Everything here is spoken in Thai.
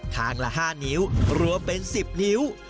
ทางละ๕นิ้วรวมเป็น๑๐นิ้ว